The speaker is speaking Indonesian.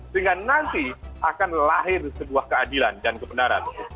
sehingga nanti akan lahir sebuah keadilan dan kebenaran